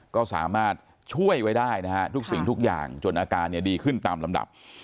ก็สามารถช่วยไว้ได้นะฮะทุกสิ่งทุกอย่างจนอาการดีขึ้นตามลำดับ